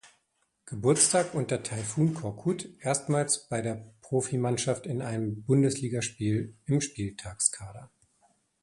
Geburtstag unter Tayfun Korkut erstmals bei der Profimannschaft in einem Bundesligaspiel im Spieltagskader.